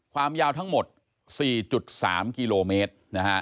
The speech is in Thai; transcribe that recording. ความยาวทั้งหมด๔๓กิโลเมตร